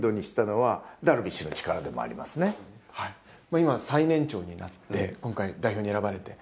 今、最年長になって今回、代表に選ばれて。